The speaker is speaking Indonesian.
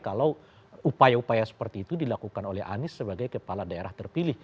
kalau upaya upaya seperti itu dilakukan oleh anies sebagai kepala daerah terpilih